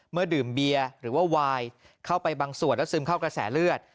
เมื่อดื่มเบียร์หรือว่าวายเข้าไปบางส่วนแล้วซึมเข้ากระแสเลือด